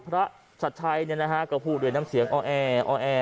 พระสัตว์ชัดชัยเนี่ยนะฮะก็พูดด้วยน้ำเสียงออแอออแอ